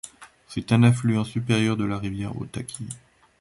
C’est un affluent supérieur de la rivière Otaki.